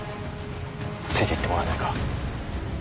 ついていってもらえないか。